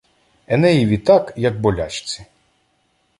Енеєві так, як болячці